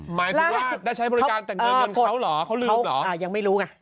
หมายถึงว่าได้ใช้บริการแต่เงินเงินเขาเหรอเขาลืมเหรอ